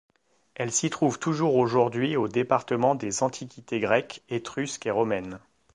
Elle s'y trouve toujours aujourd'hui au département des Antiquités grecques, étrusques et romaines.